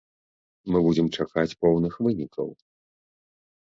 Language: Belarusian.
Мы будзем чакаць поўных вынікаў.